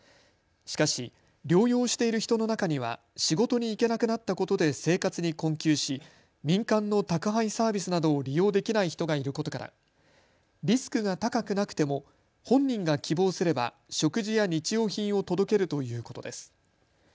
しかし療養している人の中には仕事に行けなくなったことで生活に困窮し民間の宅配サービスなどを利用できない人がいることからリスクが高くなくても本人が希望すれば食事や日用品を届けるということです。